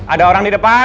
ada orang di depan